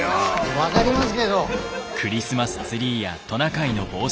分がりますけど。